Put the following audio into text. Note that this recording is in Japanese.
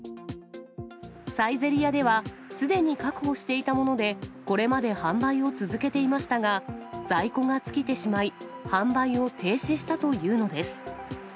サイゼリヤでは、すでに確保していたものでこれまで販売を続けていましたが、在庫が尽きてしまい、販売を停止したというのです。